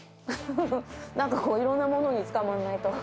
なんかこう、いろんなものにつかまんないと。